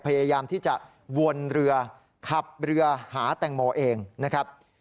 พยายามที่จะวนเรือขับเรือหาแตงโมเองนะครับ